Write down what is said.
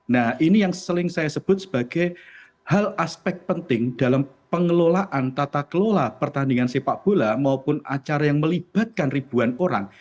nah ini yang sering saya sebut sebagai hal aspek penting dalam pengelolaan tata kelola pertandingan sepak bola maupun acara yang melibatkan ribuan orang